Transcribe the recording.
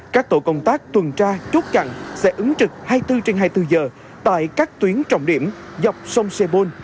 các tổ công tác tuần tra chốt chặn sẽ ứng trực hai mươi bốn trên hai mươi bốn giờ tại các tuyến trọng điểm dọc sông sepol